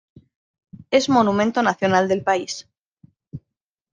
Es monumento nacional del país.